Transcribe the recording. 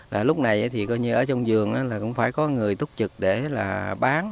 là lúc này thì coi như ở trong giường là cũng phải có người túc trực để là bán